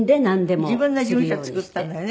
自分の事務所作ったのよね